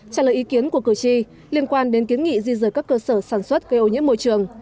trả lời ý kiến của cử tri liên quan đến kiến nghị di rời các cơ sở sản xuất gây ô nhiễm môi trường